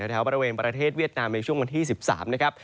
แถวบริเวณประเทศเวียดนามในช่วงวันที่๑๓นะครับ